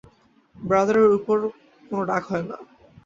ব্রাদারের উপর কোনো ডাক হয় না।